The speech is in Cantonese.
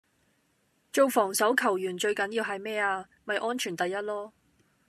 做防守球員最緊要係咩呀?咪安全第一囉